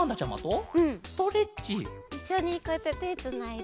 いっしょにこうやっててつないで。